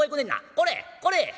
これ！これ！」。